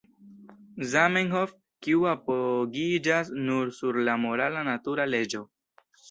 Zamenhof, kiu apogiĝas nur sur la morala natura leĝo.